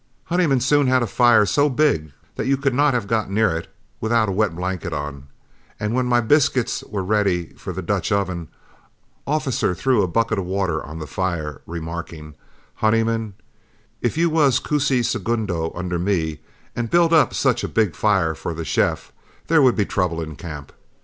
Honeyman soon had a fire so big that you could not have got near it without a wet blanket on; and when my biscuits were ready for the Dutch oven, Officer threw a bucket of water on the fire, remarking: "Honeyman, if you was cusi segundo under me, and built up such a big fire for the chef, there would be trouble in camp.